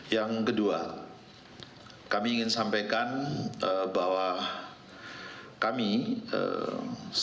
yang kedua kami ingin sampaikan bahwa kami sangat